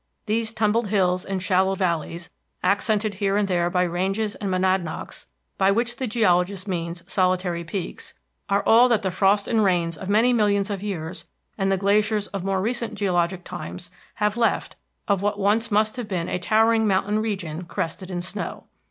These tumbled hills and shallow valleys, accented here and there by ranges and monadnocks, by which the geologist means solitary peaks, are all that the frosts and rains of very many millions of years and the glaciers of more recent geologic times have left of what once must have been a towering mountain region crested in snow.